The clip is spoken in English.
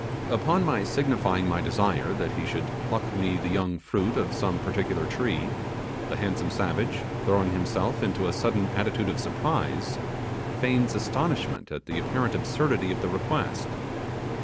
Upon my signifying my desire that he should pluck me the young fruit of some particular tree, the handsome savage, throwing himself into a sudden attitude of surprise, feigns astonishment at the apparent absurdity of the request.